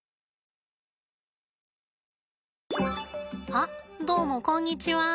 あっどうもこんにちは。